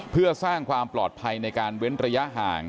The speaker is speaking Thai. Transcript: เพื่อสร้างความปลอดภัยในการเว้นระยะห่าง